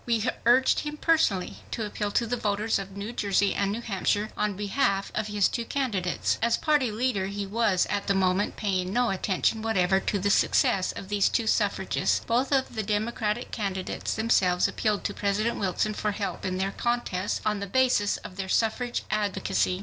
We urged him personally to appeal to the voters of New Jersey and New Hampshire on behalf of his two candidates. As Party leader he was at the moment paying no attention whatever to the success of these two suffragists. Both of the Democratic candidates themselves appealed to President Wilson for help in their contests, on the basis of their suffrage advocacy.